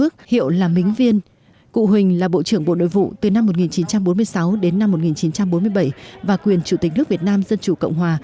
cụ huỳnh là bộ trưởng bộ nội vụ từ năm một nghìn chín trăm bốn mươi sáu đến năm một nghìn chín trăm bốn mươi bảy và quyền chủ tịch nước việt nam dân chủ cộng hòa